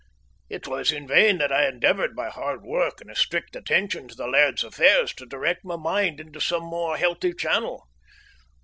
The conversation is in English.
It was in vain that I endeavoured by hard work and a strict attention to the laird's affairs to direct my mind into some more healthy channel.